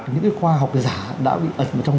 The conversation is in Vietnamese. những khoa học giả đã bị ẩn vào trong